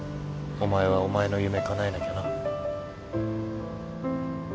お前はお前の夢かなえなきゃな